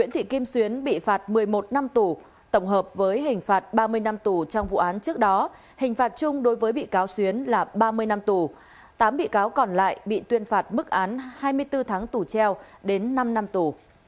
tuyên phạt chung đối với bị cáo xuyến là ba mươi năm tù tám bị cáo còn lại bị tuyên phạt mức án hai mươi bốn tháng tù treo đến năm năm tù